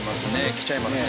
来ちゃいますね。